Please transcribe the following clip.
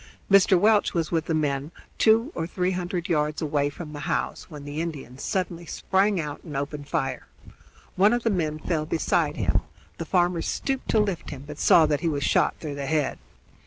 Mr. Welch was with the men, two or three hundred yards away from the house, when the Indians suddenly sprang out and opened fire. One of the men fell beside him; the farmer stooped to lift him, but saw that he was shot through the head.